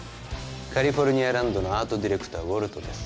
カリフォルニアランドのアートディレクターウォルトです